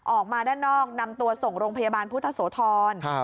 ออกมาด้านนอกนำตัวส่งโรงพยาบาลพุทธโสธร